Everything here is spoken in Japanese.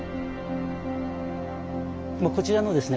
こちらのですね